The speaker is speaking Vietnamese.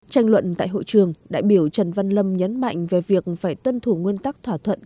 tranh luận tại hội trường đại biểu trần văn lâm nhấn mạnh về việc phải tuân thủ nguyên tắc thỏa thuận